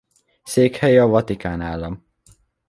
Székhelye a Vatikán Állam.